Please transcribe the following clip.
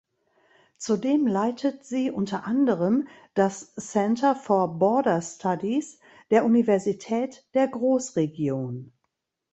Zudem leitet sie unter anderem das Center for Border Studies der Universität der Großregion.